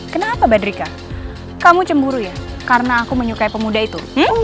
kenapa badrika kamu cemburu ya karena aku menyukai pemuda itu